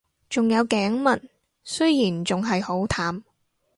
仲有頸紋，雖然仲係好淡